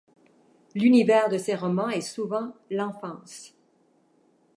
L'univers de ses romans est souvent l'enfance.